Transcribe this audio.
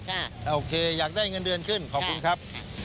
โอเคอยากได้เงินเดือนขึ้นขอบคุณครับ